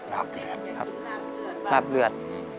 ราบเลือด